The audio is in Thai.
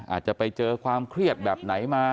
อาจจะไปเจอความเครียดแบบไหนมา